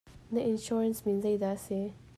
Na insurance min zei dah a si?